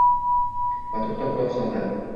va toʼxtab quloq soldi.